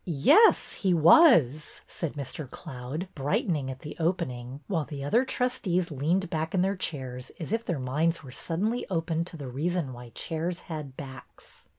'' Yes, he was," said Mr. Cloud, brightening at the opening, while the other trustees leaned back in their chairs as if their minds were sud denly opened to the reason why chairs had backs.